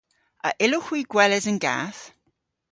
A yllowgh hwi gweles an gath?